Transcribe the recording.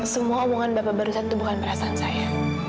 semua omongan bapak baru tadi itu bukan perasaan saya